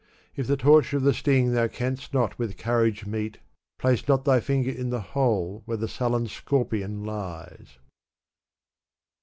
If the torture of the sting thou canst not with courage meet, Place not thy finger in the hole where the sullen scorpion lies."